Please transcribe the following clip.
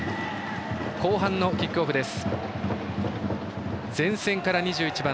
後半のキックオフです。